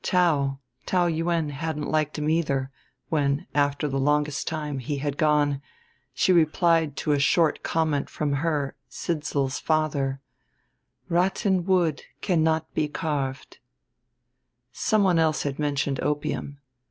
Taou Taou Yuen hadn't liked him either: when, after the longest time, he had gone, she replied to a short comment from her, Sidsall's, father: "Rotten wood cannot be carved." Some one else had mentioned opium.